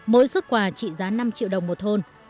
mỗi xuất quà trị giá năm triệu đồng một thôn